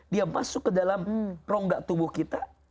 dia masuk ke dalam rongga tubuh kita